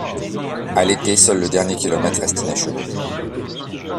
À l'été, seul le dernier kilomètre reste inachevé.